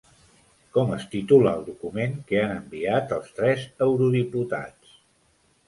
Com es titula el document que han enviat els tres eurodiputats?